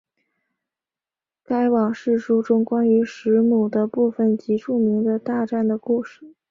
该往世书中关于时母的部分即著名的大战的故事。